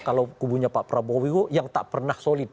kalau kubunya pak prabowo yang tak pernah solid